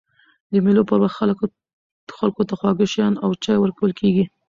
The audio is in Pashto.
د مېلو پر وخت خلکو ته خواږه شيان او چای ورکول کېږي.